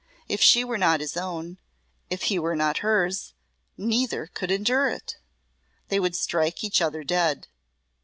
If she were not his own if he were not hers, neither could endure it. They would strike each other dead.